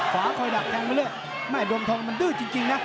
ขวาคอยดักแทงไปเรื่อยแม่ดวงทองมันดื้อจริงนะ